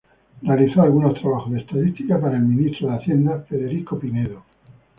Realizó algunos trabajos de estadística para el ministro de Hacienda, Federico Pinedo.